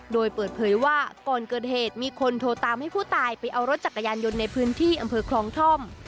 โดยเปิดเผยว่าก่อนเกิดเหตุมีคนโทรตามให้ผู้ตายไปเอารถจักรยานยนต์ในพื้นที่อำเภอคลองท่อม